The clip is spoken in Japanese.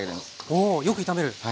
およく炒める。